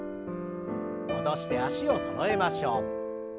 戻して脚をそろえましょう。